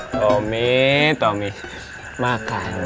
aku makan jeruk asemnya nggak lang lang